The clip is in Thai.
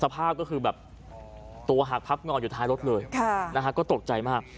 สภาพก็คือแบบตัวหักพับงออยู่ท้ายรถเลยก็ตกใจมาก